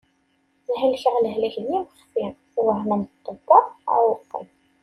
Helkeɣ lehlak d imexfi, wehmen ṭṭebba, ɛewqen.